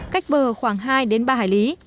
cách bờ khoảng hai ba hải lý